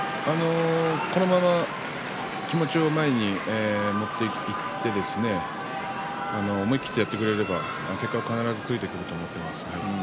このまま気持ちを前に持っていって思い切ってやってくれれば結果は必ずついてくると思っています。